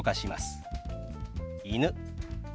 「犬」。